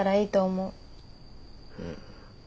うん。